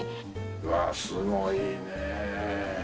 うわすごいね。